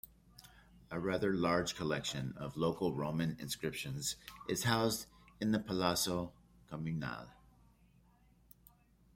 A rather large collection of local Roman inscriptions is housed in the Palazzo Comunale.